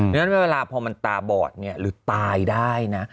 เพราะฉะนั้นเวลาพอมันตาบอดหรือตายได้นะ